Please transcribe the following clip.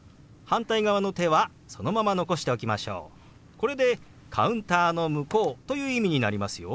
これでカウンターの向こうという意味になりますよ。